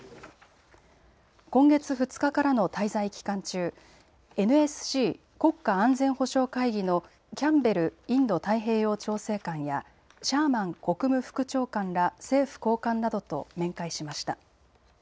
今月２日からの滞在期間中、ＮＳＣ・国家安全保障会議のキャンベルインド太平洋調整官やシャーマン国務副長官ら政府高官などと面会しました。